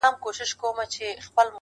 نیکه لمیسو ته نکلونه د جنګونو کوي-